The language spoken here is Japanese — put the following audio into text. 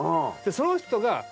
その人が。